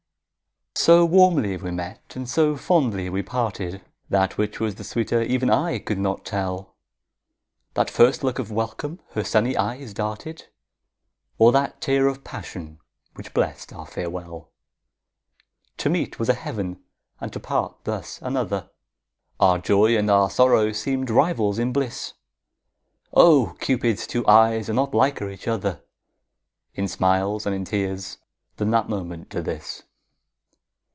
So warmly we met and so fondly we parted, That which was the sweeter even I could not tell, That first look of welcome her sunny eyes darted, Or that tear of passion, which blest our farewell. To meet was a heaven and to part thus another, Our joy and our sorrow seemed rivals in bliss; Oh! Cupid's two eyes are not liker each other In smiles and in tears than that moment to this.